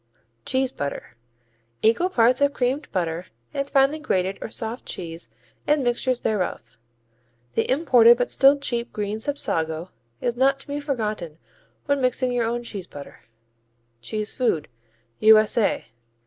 Cheese butter Equal parts of creamed butter and finely grated or soft cheese and mixtures thereof. The imported but still cheap green Sapsago is not to be forgotten when mixing your own cheese butter. Cheese food _U.S.A.